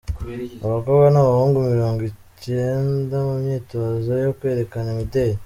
Abakobwa n’abahungu mirongo ikenda mu myitozo yo kwerekana imideri